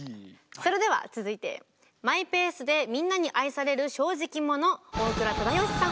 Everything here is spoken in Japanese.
それでは続いてマイペースでみんなに愛される正直者大倉忠義さん。